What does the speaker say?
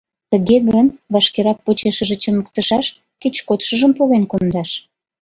Тыге гын, вашкерак почешыже чымыктышаш, кеч кодшыжым поген кондаш!»